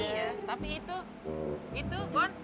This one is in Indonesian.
iya tapi itu itu bon